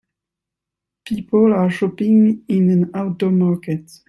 People are shopping in an outdoor market.